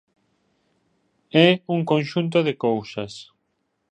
É un conxunto de cousas.